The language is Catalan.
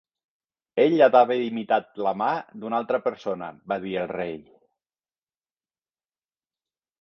"Ell ha d'haver imitat la mà d'una altra persona", va dir el rei.